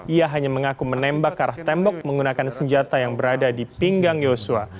ia hanya mengaku menembak ke arah tembok menggunakan senjata yang berada di pinggang yosua